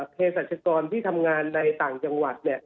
โครงสรรคกรที่ทำงานในต่างจังหวัดเนี่ย